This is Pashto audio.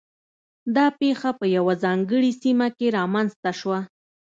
دا پېښه په یوه ځانګړې سیمه کې رامنځته شوه